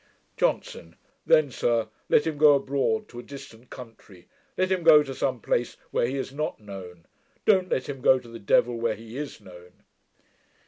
JOHNSON. 'Then, sir, let him go abroad to a distant country; let him go to some place where he is NOT known. Don't let him go to the devil where he IS known!'